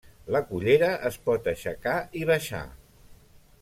La cullera es pot aixecar i baixar.